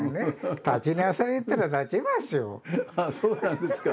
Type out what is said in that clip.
そうなんですか！